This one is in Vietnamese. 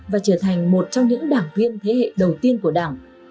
và trở thành một trong những đảng viên thế hệ đầu tiên của đảng